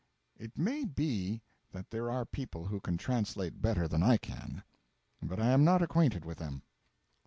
It may be that there are people who can translate better than I can, but I am not acquainted with them.